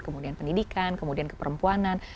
kemudian pendidikan kemudian ke perempuanan